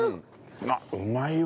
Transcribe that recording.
あっうまいわ。